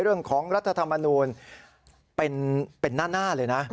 เรื่องของรัฐธรรมนูญเป็นหน้าเลยนะ